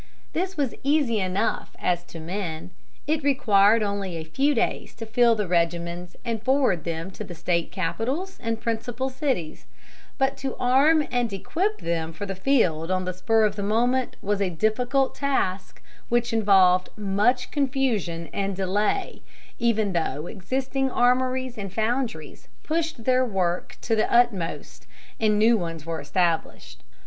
This was easy enough as to men. It required only a few days to fill the regiments and forward them to the State capitals and principal cities; but to arm and equip them for the field on the spur of the moment was a difficult task which involved much confusion and delay, even though existing armories and foundries pushed their work to the utmost and new ones were established.